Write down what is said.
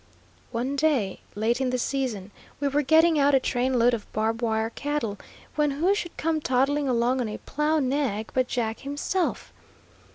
One day, late in the season, we were getting out a train load of "Barb Wire" cattle, when who should come toddling along on a plow nag but Jack himself.